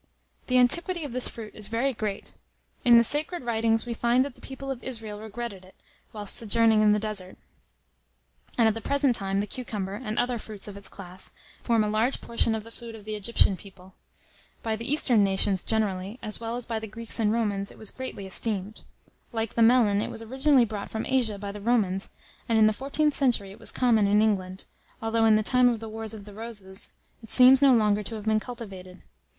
The antiquity of this fruit is very great. In the sacred writings we find that the people of Israel regretted it, whilst sojourning in the desert; and at the present time, the cucumber, and other fruits of its class, form a large portion of the food of the Egyptian people. By the Eastern nations generally, as well as by the Greeks and Romans, it was greatly esteemed. Like the melon, it was originally brought from Asia by the Romans, and in the 14th century it was common in England, although, in the time of the wars of "the Roses," it seems no longer to have been cultivated.